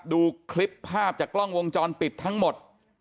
ดูคลิปภาพจากกล้องวงจรปิดทั้งหมด